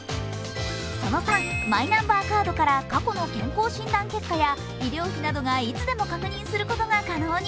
その３、マイナンバーカードから過去の健康診断や医療費などをいつでも確認することが可能に。